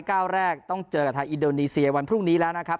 เก้าแรกต้องเจอกับทางอินโดนีเซียวันพรุ่งนี้แล้วนะครับ